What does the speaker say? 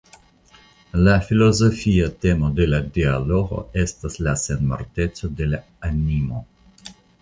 La filozofia temo de la dialogo estas la senmorteco de la animo.